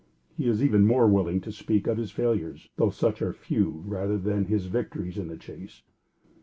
He is even more willing to speak of his failures, though such are few, rather than of his victories in the chase.